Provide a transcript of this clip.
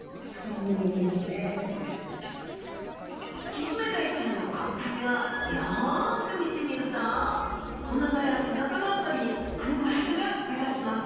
キンメダイちゃんの骨格をよく見てみるとおなかや背中の辺りに空白が目立ちます